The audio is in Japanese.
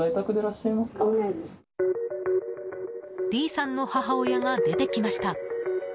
Ｄさんの母親が出てきました。